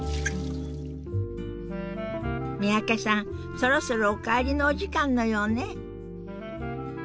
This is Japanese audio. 三宅さんそろそろお帰りのお時間のようね。